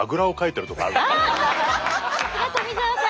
さすが富澤さん